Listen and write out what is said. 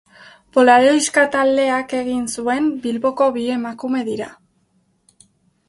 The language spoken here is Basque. Polaroiska taldeak egin zuen, Bilboko bi emakume dira.